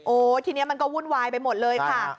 ทีนี้มันก็วุ่นวายไปหมดเลยค่ะ